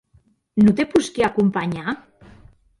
Non te posqui acompanhar?